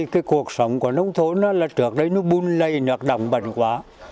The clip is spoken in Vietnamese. cái cuộc sống của nông thố nó là trước đấy nó bùn lây nó đọng bẩn quá